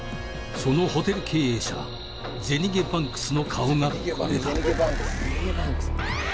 「そのホテル経営者ゼニゲバンクスの顔がこれだ」